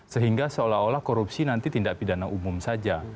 sehingga seolah olah korupsi nanti tindak pidana umum saja